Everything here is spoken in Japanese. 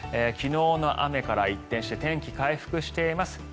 昨日の雨から一転して天気回復しています。